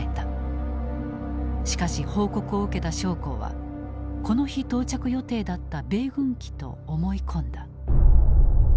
しかし報告を受けた将校はこの日到着予定だった米軍機と思い込んだ。